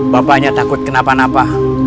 bapaknya takut kenapa napa